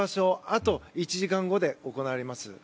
あと１時間後に行われます。